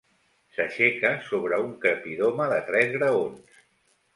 S'aixeca sobre un crepidoma de tres graons.